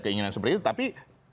keinginan seperti itu tapi